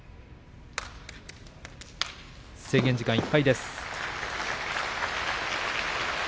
制限時間いっぱいです。